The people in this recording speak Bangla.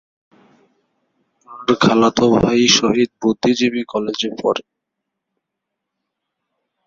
তার খালাতো ভাই শহীদ বুদ্ধিজীবী কলেজে পড়ে।